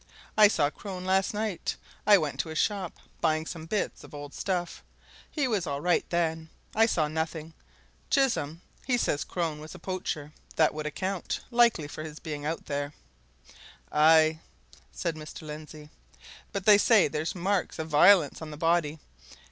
I saw Crone last night. I went to his shop, buying some bits of old stuff. He was all right then I saw nothing. Chisholm he says Crone was a poacher. That would account, likely, for his being out there." "Aye!" said Mr. Lindsey. "But they say there's marks of violence on the body.